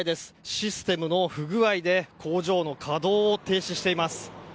システムの不具合で工場の稼働を停止しています。